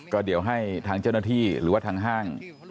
ก็เดี๋ยวให้ทางเจ้าหน้าที่หรือว่าทางห้าง